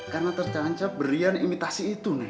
karena tercancap berdiam imitasi itu nek